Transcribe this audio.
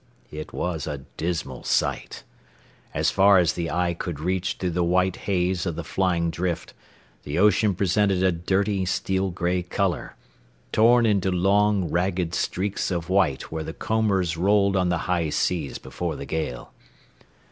It was a dismal sight. As far as the eye could reach through the white haze of the flying drift the ocean presented a dirty steel gray color, torn into long, ragged streaks of white where the combers rolled on the high seas before the gale.